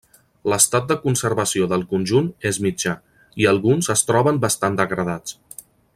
L'estat de conservació del conjunt és mitjà, i alguns es troben bastant degradats.